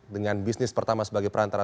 dengan bisnis pertama sebagai perantara